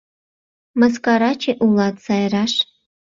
Мыскараче улат, Сайраш!